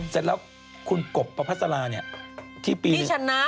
เสร็จแล้วคุณกบปราภาษลาเนี่ยที่ปีหนึ่งที่ชนะ